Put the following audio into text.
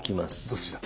どっちだ？